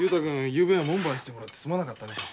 ゆうべは門番してもらってすまなかったね。